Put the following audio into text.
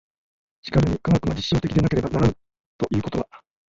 しかるに科学が実証的でなければならぬということは、